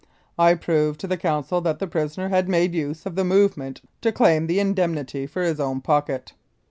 I proved to the Council that the prisoner had made use of the movement to claim the indemnity for his own pocket.